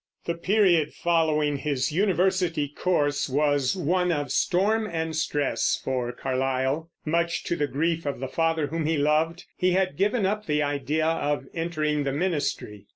The period following his university course was one of storm and stress for Carlyle. Much to the grief of the father whom he loved, he had given up the idea of entering the ministry.